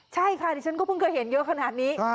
ใช่ค่ะดิฉันก็เพิ่งเคยเห็นเยอะขนาดนี้